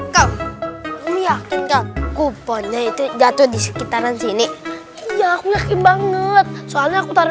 kau yakin kak kuponnya itu jatuh di sekitaran sini iya aku yakin banget soalnya aku taruh